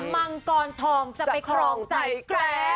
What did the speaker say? มังกรทงจะไปครองใจแกรนด์